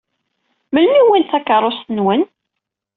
Melmi i wwint takeṛṛust-nwen?